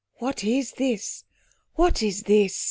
"What is this? What is this?"